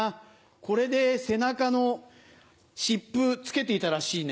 これで背中の湿布付けていたらしいね。